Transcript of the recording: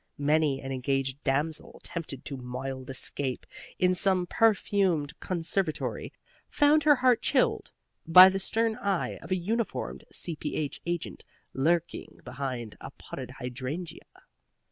Many an engaged damsel, tempted to mild escapade in some perfumed conservatory, found her heart chilled by the stern eye of a uniformed C.P.H. agent lurking behind a potted hydrangea.